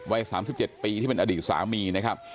วัย๓๗ปีที่เป็นอดีตสามีนะครับ